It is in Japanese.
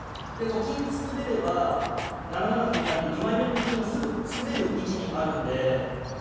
と金作れれば７七歩成で２枚目のと金がすぐ作れる位置にあるんで。